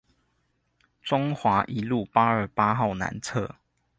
中華一路八二八號南側